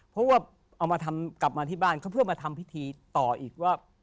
เพราะว่าเอามาทำกลับมาที่บ้านเขาเพื่อมาทำพิธีต่ออีกว่า